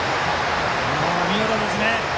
見事ですね。